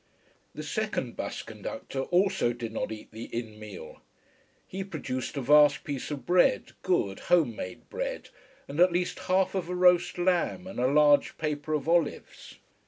The second bus conductor also did not eat the inn meal. He produced a vast piece of bread, good, home made bread, and at least half of a roast lamb, and a large paper of olives.